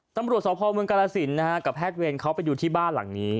ตำรวจสพเมืองกรสินนะฮะกับแพทย์เวรเขาไปดูที่บ้านหลังนี้